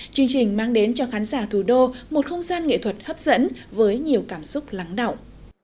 chương trình mang đến cho khán giả thủ đô một không gian nghệ thuật hấp dẫn với nhiều cảm xúc lắng động